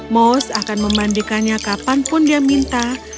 most akan memandikannya kapanpun dia minta